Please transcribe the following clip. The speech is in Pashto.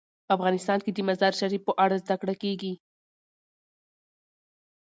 افغانستان کې د مزارشریف په اړه زده کړه کېږي.